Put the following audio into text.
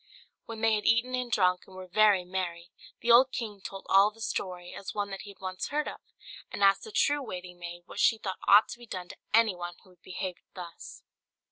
When they had eaten and drunk, and were very merry, the old king told all the story, as one that he had once heard of, and asked the true waiting maid what she thought ought to be done to anyone who would behave thus.